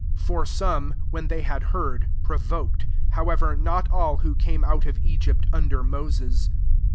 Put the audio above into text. '' 16 For some, when they had hcffird, provoked : however, not iB who came out of Egypt Under Moses.